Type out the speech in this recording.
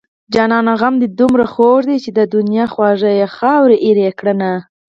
جانانه غم دې دومره خوږ دی چې د دنيا خواږه يې خاورې ايرې کړنه